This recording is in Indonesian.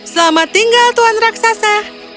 selamat tinggal tuan raksasa